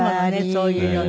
そういう色ね。